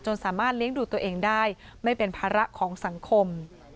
สามารถเลี้ยงดูตัวเองได้ไม่เป็นภาระของสังคม